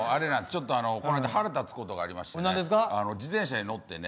ちょっとこの間腹立つことがありまして自転車に乗ってね